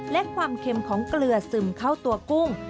และความเค็มของเกลือซึมเข้าตัวกุ้ง